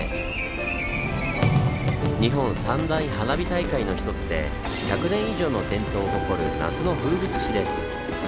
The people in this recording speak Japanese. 日本三大花火大会の一つで１００年以上の伝統を誇る夏の風物詩です。